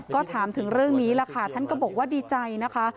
ก็ถามถึงเรื่องนี้แหละค่ะท่านก็บอกว่าดีใจนะคะ